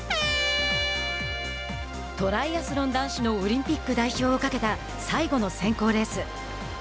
トライアスロン男子のオリンピック代表をかけた最後の選考レース。